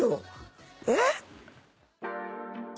えっ⁉